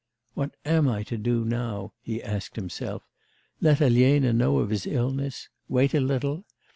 'What am I to do now?' he asked himself. 'Let Elena know of his illness? Wait a little?